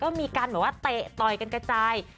ก็มีการตะต่อยกันกระจาย